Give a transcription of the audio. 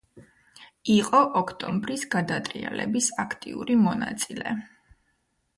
იყო ოქტომბრის გადატრიალების აქტიური მონაწილე.